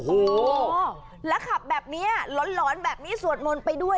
โอ้โหแล้วขับแบบนี้หลอนแบบนี้สวดมนต์ไปด้วย